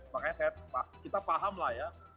makanya kita paham lah ya